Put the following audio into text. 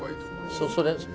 そうそうです。